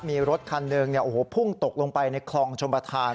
มีรถคันหนึ่งพุ่งตกลงไปในคลองชมประธาน